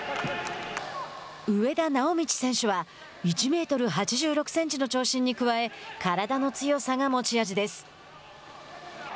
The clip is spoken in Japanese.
植田直通選手は１メートル８６センチの長身に加え体の強さが持ち味です。